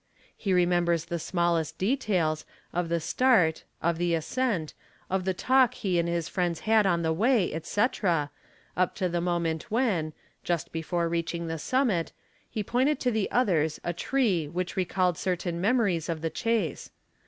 He remembers the smallest details, of the start, of the ascent, of the talk he and his friends had on the way, &c., up to the 'homent when, just before reaching the summit, he pointed to the others 'tree which recalled certain memories of the chase.